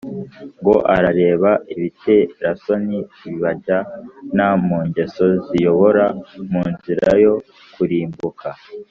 ngo arareba ibiterasoni bibajyana mu ngeso ziyobora mu nzira yo kurimbuka